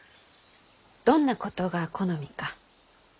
どんなことが好みか？